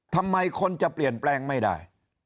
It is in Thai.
ทำไมคนจะเปลี่ยนแปลงไม่ได้